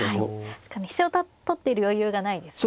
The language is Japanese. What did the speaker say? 確かに飛車を取っている余裕がないですね。